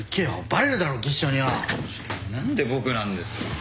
バレるだろ技師長によ。何で僕なんですか。